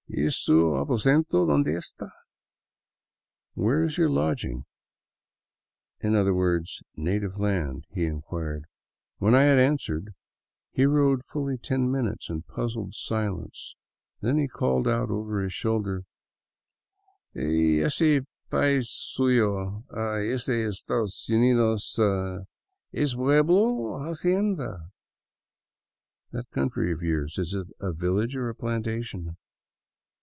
" Y su aposento, donde esta? " (Where is your lodging — i.e., native land?) he inquired. When I had answered, he rode fully ten minutes in puzzled silence. Then he called out over his shoulder :" Y ese pais suyo, ese Esta'os Uni'os, es pueblo 6 hacienda? " (That country of yours, is it a village or a plantation?)